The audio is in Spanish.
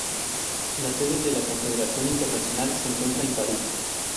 La sede de la Confederación Internacional se encuentra en París.